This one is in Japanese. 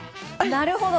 なるほど。